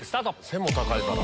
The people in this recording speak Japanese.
背も高いから。